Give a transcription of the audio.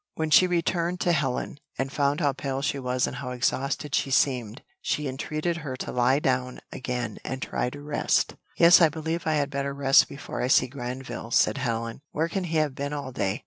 When she returned to Helen, and found how pale she was and how exhausted she seemed, she entreated her to lie down again and try to rest. "Yes, I believe I had better rest before I see Granville," said Helen: "where can he have been all day?"